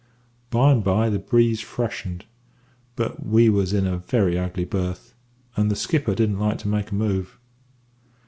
"By and by the breeze freshened; but we was in a very ugly berth, and the skipper didn't like to make a move.